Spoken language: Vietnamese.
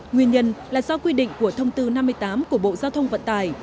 nguyên nhân là do quy định của thông tư năm mươi tám của bộ giao thông vận tải